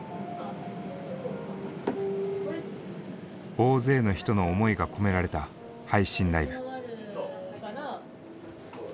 大勢の人の思いが込められた配信ライブ。